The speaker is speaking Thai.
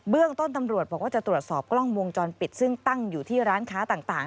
เรื่องต้นตำรวจบอกว่าจะตรวจสอบกล้องวงจรปิดซึ่งตั้งอยู่ที่ร้านค้าต่าง